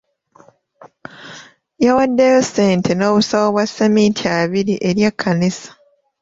Yawaddeyo ssente n'obusawo bwa sseminti abiri eri ekkanisa.